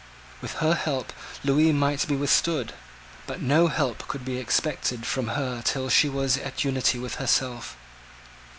With her help Lewis might yet be withstood: but no help could be expected from her till she was at unity with herself.